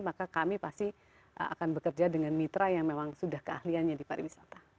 maka kami pasti akan bekerja dengan mitra yang memang sudah keahliannya di pariwisata